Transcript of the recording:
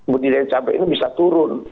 budi dari cabai ini bisa turun